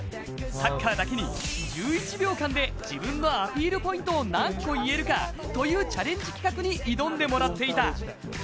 サッカーだけに１１秒間で自分のアピールポイントを何個言えるか、というチャレンジ企画に挑んでもらっていた。